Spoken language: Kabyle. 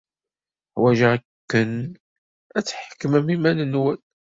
Ḥwajeɣ-ken ad tḥekmem iman-nwen.